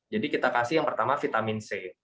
jadi kita kasih yang pertama vitamin c